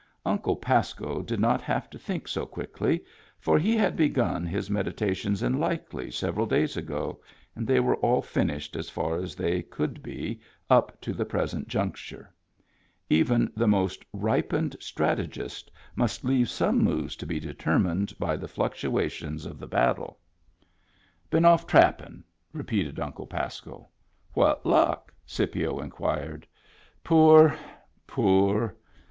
Uncle Pasco did not have to think so quickly, for he had begun his medita tions in Likely several days ago, and they were all finished as far as they could be up to the present juncture. Even the most ripened strate gist must leave some moves to be determined by the fluctuations of the battle. Digitized by Google SPrr CAT CREEK 8i " Been oflf trappin'," repeated Uncle Pasco. " What luck ?" Scipio inquired. " Poor. Poor.